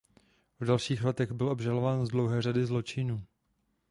V dalších letech byl obžalován z dlouhé řady zločinů.